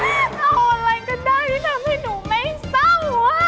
เอาอะไรก็ได้ที่ทำให้หนูไม่เศร้า